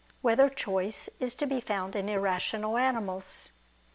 2] Whether Choice Is to Be Found in Irrational Animals?